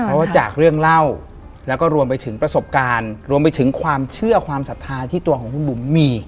เพราะว่าจากเรื่องเล่าแล้วก็รวมไปถึงประสบการณ์รวมไปถึงความเชื่อความศรัทธาที่ตัวของคุณบุ๋มมี